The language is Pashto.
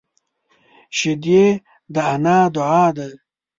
شیدې د انا دعا ده